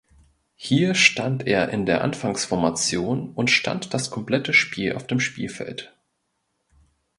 Hier stand er in der Anfangsformation und stand das komplette Spiel auf dem Spielfeld.